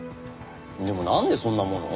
でもなんでそんなものを？